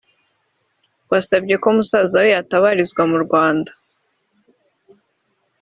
wasabye ko musaza we yatabarizwa mu Rwanda